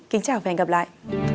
kính chào và hẹn gặp lại